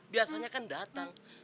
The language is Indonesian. biasanya kan datang